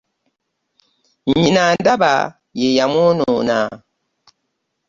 Nnyina ndaba ye yamwonoona.